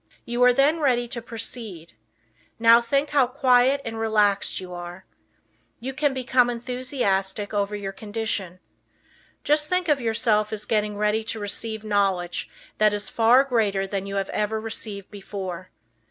You are then ready to proceed. Now think how quiet and relaxed you are. You can become enthusiastic over your condition. Just think of yourself as getting ready to receive knowledge that is far greater than you have ever received before.